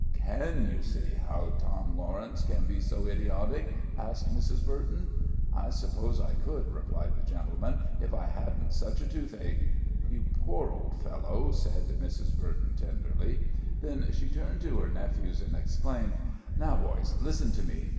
"Can you see how Tom Lawrence can be so idiotic?" asked Mrs. Burton. "I suppose I could," replied the gentleman, "if I hadn't such a toothache." "You poor old fellow!" said Mrs. Burton, tenderly. Then she turned to her nephews, and exclaimed: "Now, boys, listen to me!